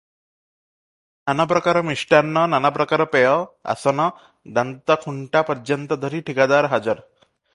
ନାନାପ୍ରକାର ମିଷ୍ଟାନ୍ନ, ନାନାପ୍ରକାର ପେୟ, ଆସନ, ଦାନ୍ତଖୁଣ୍ଟା ପର୍ଯ୍ୟନ୍ତ ଧରି ଠିକାଦାର ହାଜର ।